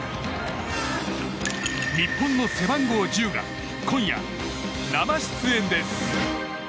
日本の背番号１０が今夜、生出演です。